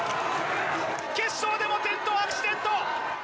決勝でも転倒アクシデント！